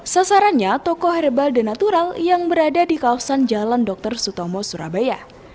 sasarannya tokoh herbal dan natural yang berada di kawasan jalan dr sutomo surabaya